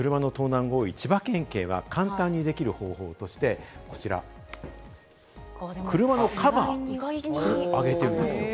車の盗難が多い千葉県警は簡単な方法として、こちら、車のカバーを上げているんです。